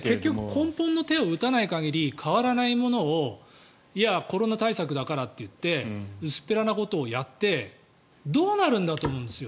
根本の手を打たない限り変わらないものをいや、コロナ対策だからと言って薄っぺらなことをやってどうなるんだと思うんです